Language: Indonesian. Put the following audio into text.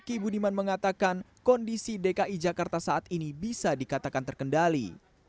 kiki budiman mengatakan kondisi dki jakarta saat ini bisa dikatakan terkendali